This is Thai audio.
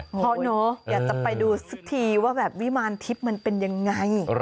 อยากจะมองไปดูซื้อทีวิมาลทิพย์มันเป็นอย่างไร